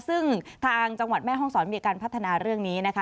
ซึ่งทางจังหวัดแม่ห้องศรมีการพัฒนาเรื่องนี้นะคะ